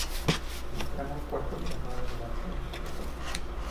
En el tramo cuarto de la nave de la Epístola.